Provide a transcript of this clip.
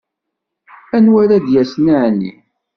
Anwa ara d-yasen, ɛni?